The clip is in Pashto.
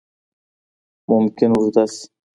ممکن اوږده سي.